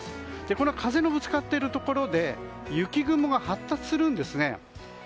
この風のぶつかっているところで雪雲が発達するんです。